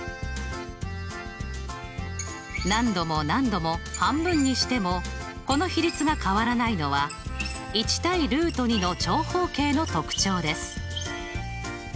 何度も何度も半分にしてもこの比率が変わらないのは１対の長方形の特徴です。